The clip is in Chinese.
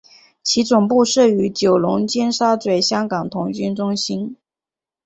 其总部设于九龙尖沙咀香港童军中心。